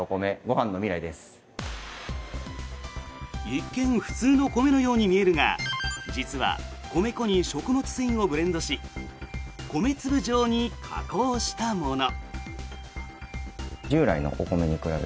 一見、普通の米のように見えるが実は米粉に食物繊維をブレンドし米粒状に加工したもの。